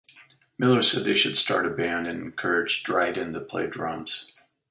Miller said they should start a band and encouraged Dryden to play drums.